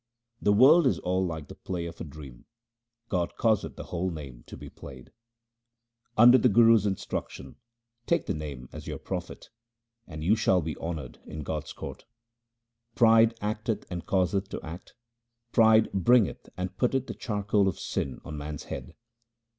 The world is all like the play of a dream ; God causeth the whole game to be played. Under the Guru's instruction take the Name as your profit, and you shall be honoured in God's court. Pride acteth and causeth to act ; pride bringeth and putteth the charcoal of sin on man's head.